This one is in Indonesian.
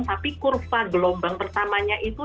tapi kurva gelombang pertamanya itu